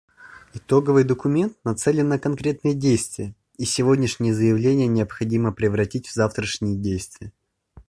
Итоговый документ нацелен на конкретные действия, и сегодняшние заявления необходимо превратить в завтрашние действия.